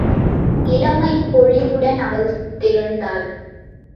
இளமைப் பொலிவுடன் அவன் திகழ்ந்தான்.